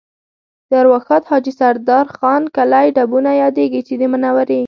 د ارواښاد حاجي سردار خان کلی ډبونه یادېږي چې د منورې